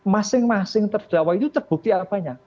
masing masing terdakwa itu terbukti apanya